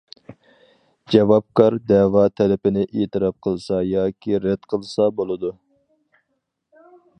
جاۋابكار دەۋا تەلىپىنى ئېتىراپ قىلسا ياكى رەت قىلسا بولىدۇ.